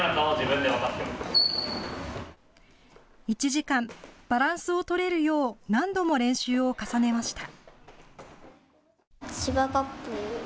１時間、バランスを取れるよう何度も練習を重ねました。